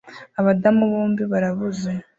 Abadamu bombi barabuze